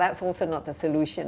itu juga bukan solusi kan